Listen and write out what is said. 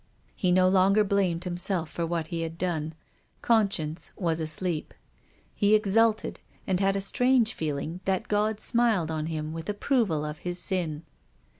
He no longer blamed himself for what he had done. Conscience was asleep. He exulted, and had a strange feeling that God smiled on him with approval of his sin.